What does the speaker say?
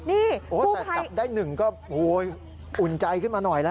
นี่โอ้แต่จับได้หนึ่งก็อุ่นใจขึ้นมาหน่อยแล้ว